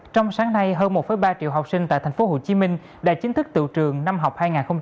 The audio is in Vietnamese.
trong sáng nay hơn một ba triệu học sinh tại thành phố hồ chí minh đã chính thức tự trường năm học hai nghìn một mươi chín hai nghìn hai mươi